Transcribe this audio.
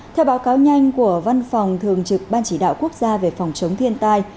theo báo cáo nhanh của văn phòng thường trực ban chỉ đạo quốc gia về phòng chống thiên tai